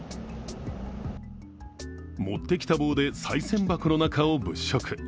持ってきた棒でさい銭箱の中を物色。